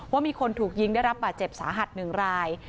ว่ามีคนถูกยิงได้รับบาดเจ็บสาหัส๑ราย